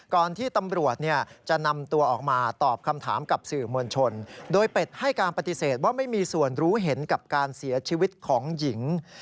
ก่อนที่ตำรวจจะนำตัวออกมาตอบคำถามกับสื่อมวลชนโดยเป็ดให้การปฏิเสธว่าไม่มีส่วนรู้เห็นกับการเสียชีวิตของหญิง